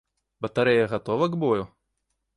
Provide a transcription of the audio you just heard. Батарэя гатова к бою?